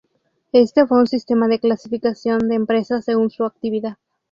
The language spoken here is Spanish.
Este fue un sistema de clasificación de empresas según su actividad.